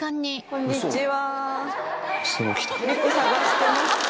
こんにちは。